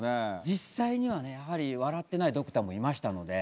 実際にはねやはり笑ってないドクターもいましたので。